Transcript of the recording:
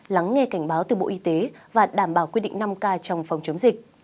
lắng nghe cảnh báo từ bộ y tế và đảm bảo quy định năm k trong phòng chống dịch